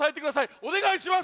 おねがいします！